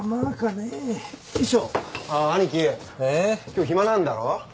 今日暇なんだろ？